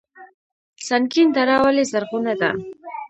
سنګین دره ولې زرغونه ده؟